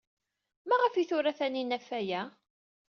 Maɣef ay tura Taninna ɣef waya?